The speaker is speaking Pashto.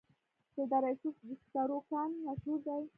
د دره صوف د سکرو کان مشهور دی